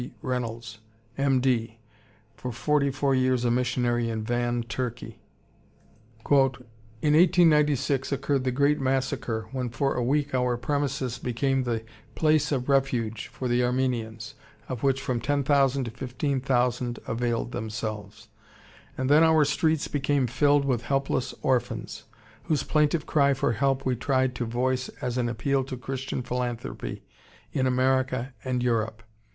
Reynolds, M. D., for forty four years a missionary in Van, Turkey. "In 1896 occurred the great massacre, when for a week our premises became the place of refuge for the Armenians, of which from 10,000 to 15,000 availed themselves. And then our streets became filled with helpless orphans, whose plaintive cry for help we tried to voice as an appeal to Christian philanthropy in America and Europe.